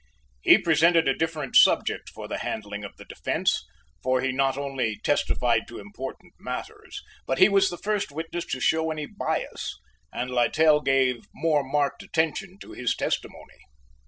He presented a different subject for the handling of the defence, for he not only testified to important matters, but he was the first witness to show any bias, and Littell gave more marked attention to his testimony.